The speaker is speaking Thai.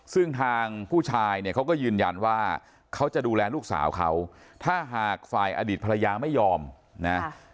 ซึ่งทางผู้ชายเนี่ยเขาก็ยืนยันว่าเขาจะดูแลลูกสาวเขาถ้าหากฝ่ายอดีตภรรยาไม่ยอมนะ